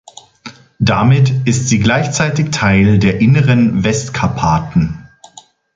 Damit ist sie gleichzeitig Teil der Inneren Westkarpaten.